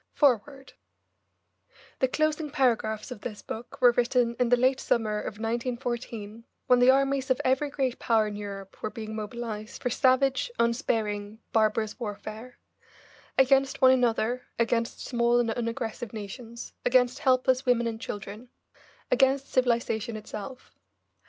FOREWORD The closing paragraphs of this book were written in the late summer of 1914, when the armies of every great power in Europe were being mobilised for savage, unsparing, barbarous warfare against one another, against small and unaggressive nations, against helpless women and children, against civilisation itself.